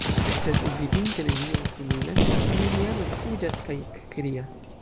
Sed, vidinte nenion similan, la familiano ekfuĝas kaj ekkrias.